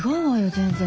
全然。